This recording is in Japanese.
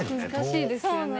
難しいですよね。